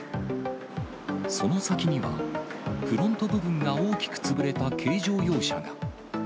その先には、フロント部分が大きく潰れた軽乗用車が。